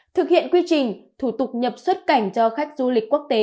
thực hiện quy trình thủ tục nhập xuất cảnh cho khách du lịch quốc tế